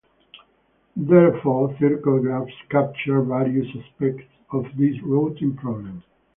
Therefore circle graphs capture various aspects of this routing problem.